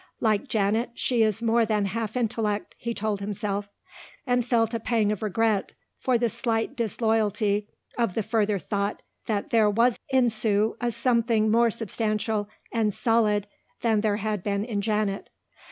"Like Janet she is more than half intellect," he told himself, and felt a pang of regret for the slight disloyalty of the further thought that there was in Sue a something more substantial and solid than there had been in Janet.